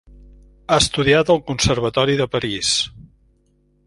Ha estudiat al Conservatori de Paris.